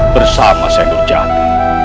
bersama sendok jati